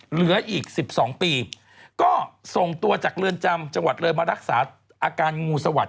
เหลืออีก๑๒ปีก็ส่งตัวจากเรือนจำจังหวัดเลยมารักษาอาการงูสวัสด